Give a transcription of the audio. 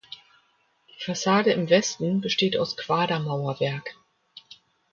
Die Fassade im Westen besteht aus Quadermauerwerk.